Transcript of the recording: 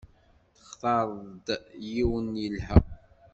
Textareḍ-d yiwen yelha.